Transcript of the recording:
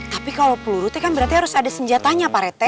tapi kalau pelurute kan berarti harus ada senjatanya pak rete